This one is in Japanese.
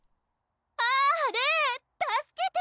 あれ助けて！